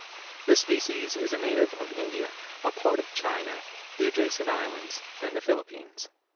This species is a native of India, a part of China, the adjacent islands and the Philippines.